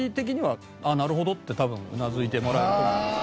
って多分うなずいてもらえると思います。